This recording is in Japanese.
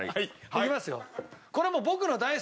いきますよ。